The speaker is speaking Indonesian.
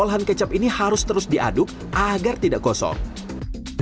olahan kecap ini harus terus diaduk agar tidak kosong